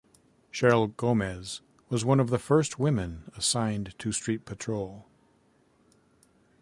Cheryl Gomez was one of the first women assigned to street patrol.